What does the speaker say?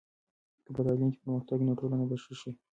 که په تعلیم کې پرمختګ وي، نو ټولنه به ښه شي.